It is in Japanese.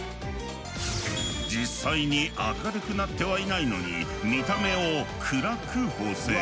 実際に明るくなってはいないのに見た目を暗く補正。